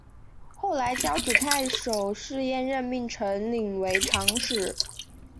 后来交趾太守士燮任命程秉为长史。